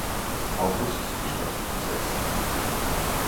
August die Stadt besetzten.